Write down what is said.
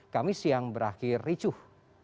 kami siang berakhir ricuh